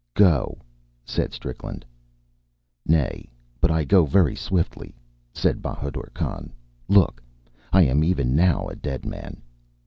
"Go!" said Strickland. "Nay; but I go very swiftly," said Bahadur Khan. "Look! I am even now a dead man."